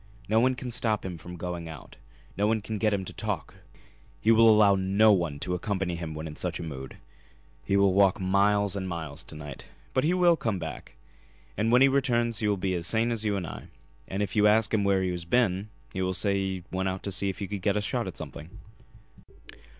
No one can stop him from going out; no one can get him to talk; he will allow no one to accompany him when in such a mood. He will walk miles and miles to night. But he will come back. And when he returns he will be as sane as you and I, and if you ask him where he has been he will say that he went out to see if he could get a shot at something."